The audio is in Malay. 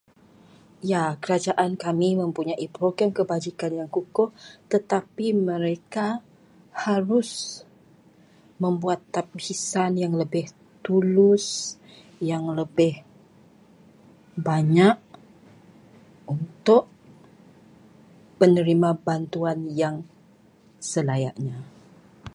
Ya, kerajaan kami mempunyai program kebajikan yang kukuh, tetapi mereka harus membuat tapisan yang lebih tulus, yang lebih banyak untuk menerima bantuan yang selayaknya.